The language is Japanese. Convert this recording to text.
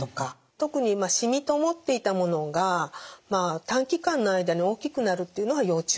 特にしみと思っていたものが短期間の間に大きくなるっていうのは要注意です。